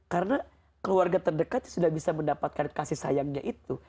karena keluarga terdekat sudah bisa mendapatkan kasih sayangnya itu